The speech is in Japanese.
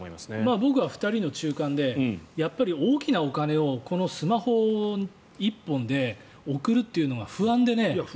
僕は２人の中間でやっぱり大きなお金をこのスマホ１本で送るというのが不安でね。